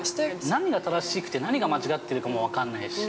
◆何が正しくて、何が間違ってるかも分かんないし。